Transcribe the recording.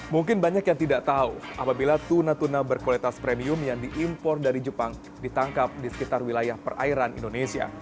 mungkin banyak yang tidak tahu apabila tuna tuna berkualitas premium yang diimpor dari jepang ditangkap di sekitar wilayah perairan indonesia